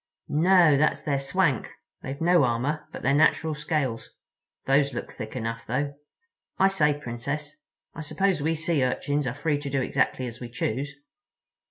"No—that's their swank. They've no armor but their natural scales. Those look thick enough, though. I say, Princess, I suppose we Sea Urchins are free to do exactly as we choose?"